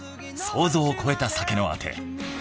想像を超えた酒のアテ。